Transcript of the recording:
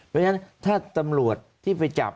เพราะฉะนั้นถ้าตำรวจที่ไปจับ